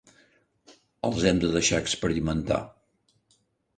Els hem de deixar experimentar.